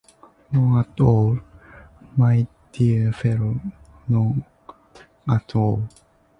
None at all, my dear fellow, none at all.